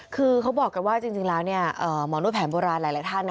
คือเขาบอกกันว่าจริงแล้วหมอนวดแผนโบราณหลายท่าน